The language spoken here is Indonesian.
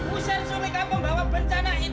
hussien sulit kampung bawa bencana itu hussien